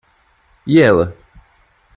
E ela?